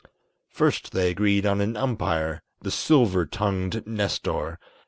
_" First they agreed on an umpire, the silver tongued Nestor.